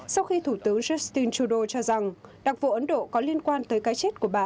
sau khi thủ tướng justin trudeau cho rằng đặc vụ ấn độ có liên quan tới cái chết của bà